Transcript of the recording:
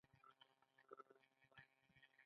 د انټرنیټ بیه هلته لوړه ده.